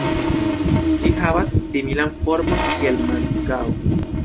Ĝi havas similan formon kiel mangao.